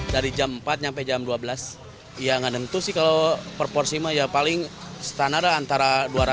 dari jam empat sampai jam dua belas ya nggak tentu sih kalau per porsi mah ya paling setan ada antara dua ratus tiga ratus